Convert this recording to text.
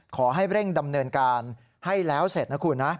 ขอให้เร่งดำเนินการให้แล้วเสร็จนะคุณนะ